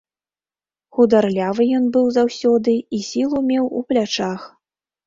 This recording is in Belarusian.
Хударлявы ён быў заўсёды і сілу меў у плячах.